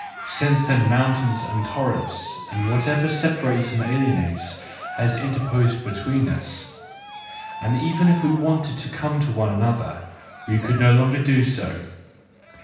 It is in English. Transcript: Since then mountains and torrents, and whatever separates and alienates, have interposed between us, and even if we wanted to come to one another, we could no longer do so